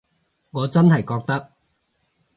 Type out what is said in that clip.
我真係覺得